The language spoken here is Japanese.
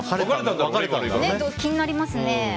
気になりますね。